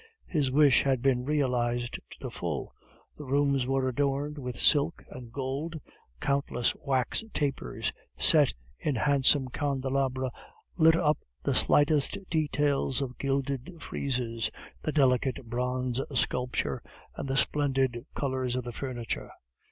His wish had been realized to the full. The rooms were adorned with silk and gold. Countless wax tapers set in handsome candelabra lit up the slightest details of gilded friezes, the delicate bronze sculpture, and the splendid colors of the furniture.